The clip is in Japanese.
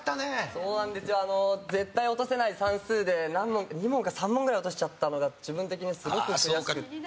そうなんですよあの絶対落とせない算数で２問か３問ぐらい落としちゃったのが自分的にすごく悔しくて。